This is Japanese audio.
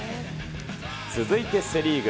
続いてセ・リーグ。